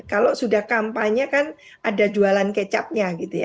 kalau sudah kampanye kan ada jualan kecapnya